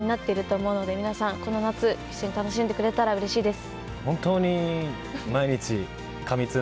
最後まで見逃せない展開になっていると思うので皆さん、この夏一緒に楽しんでくれたらうれしいです。